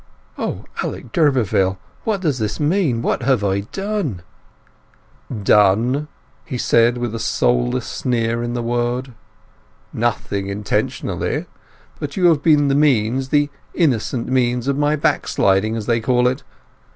"O Alec d'Urberville! what does this mean? What have I done!" "Done?" he said, with a soulless sneer in the word. "Nothing intentionally. But you have been the means—the innocent means—of my backsliding, as they call it.